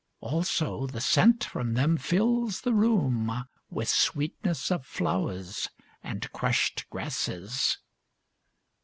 Also the scent from them fills the room With sweetness of flowers and crushed grasses.